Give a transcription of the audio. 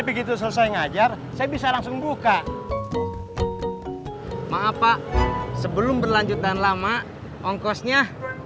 begitu selesai ngajar saya bisa langsung buka maaf pak sebelum berlanjut dan lama ongkosnya